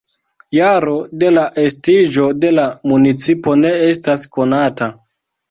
Jaro de la estiĝo de la municipo ne estas konata.